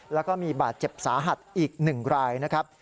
แล้วก็มีบาดเจ็บสาหัสอีก๑รายนะครับ